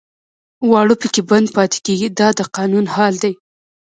واړه پکې بند پاتې کېږي دا د قانون حال دی.